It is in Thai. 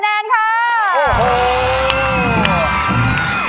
โอ้โฮ